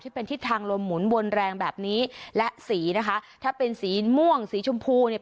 เป็นทิศทางลมหมุนวนแรงแบบนี้และสีนะคะถ้าเป็นสีม่วงสีชมพูเนี่ย